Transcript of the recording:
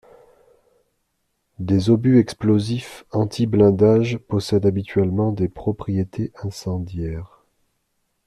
Des obus explosifs antiblindage possèdent habituellement des propriétés incendiaires.